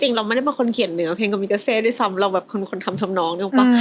จริงเราไม่ได้เป็นคนเขียนเหนือเพลงคำมิกัสเซด้วยซ้ำเราแบบคนทำทำน้องนึกออกปะ